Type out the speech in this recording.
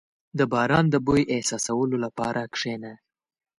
• د باران د بوی احساسولو لپاره کښېنه.